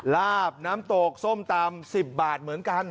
ลาบน้ำตกส้มตำ๑๐บาทเหมือนกัน